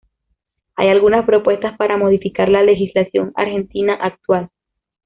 Hay algunas propuestas para modificar la legislación argentina actual.